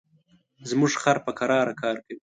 زموږ خر په کراره کار کوي.